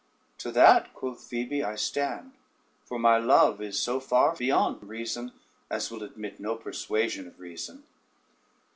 "To that," quoth Phoebe, "I stand; for my love is so far beyond reason, as will admit no persuasion of reason."